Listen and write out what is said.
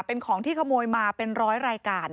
เป็นของที่ขโมยมาเป็นร้อยรายการ